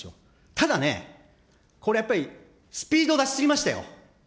ただね、これやっぱり、スピード出し過ぎましたよ。